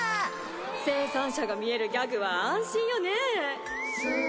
生産者が見えるギャグは安心よねすん。